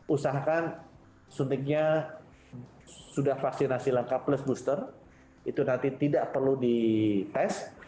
usahakan suntiknya sudah vaksinasi lengkap plus booster itu nanti tidak perlu dites